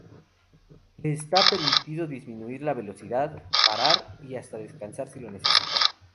Le está permitido disminuir la velocidad, parar y hasta descansar si lo necesita.